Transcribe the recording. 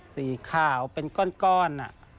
สีขาวเป็นก้อน